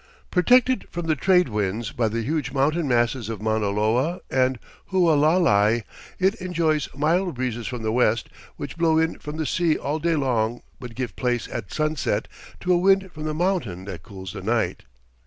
Protected from the trade winds by the huge mountain masses of Mauna Loa and Hualalai, it enjoys mild breezes from the west, which blow in from the sea all day long but give place at sunset to a wind from the mountain that cools the night.